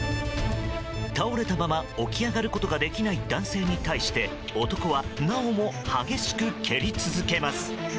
倒れたまま、起き上がることができない男性に対して男はなおも激しく蹴り続けます。